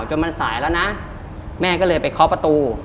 จนมันสายแล้วนะแม่ก็เลยไปเคาะประตู